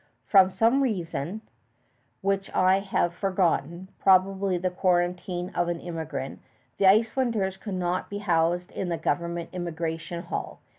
From some reason, which I have forgotten, probably the quarantine of an immigrant, the Icelanders could not be housed in the government immigration hall.